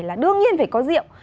là đương nhiên phải có rượu